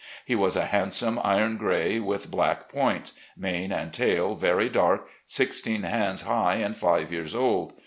He was a handsome iron gray with black points — ^mane and tail very dark — sixteen hands high, and five years old.